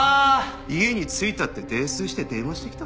家に着いたって泥酔して電話してきたんです。